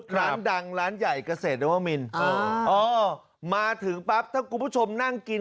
ร้านดังร้านใหญ่เกษตรนัวมินมาถึงปั๊บถ้าคุณผู้ชมนั่งกิน